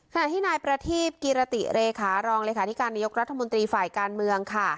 ขณะที่นายประทีปกิรติเลขารองเลขาธิการนายกรัฐมนตรีฝ่ายการเมืองค่ะ